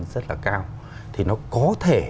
rất là cao thì nó có thể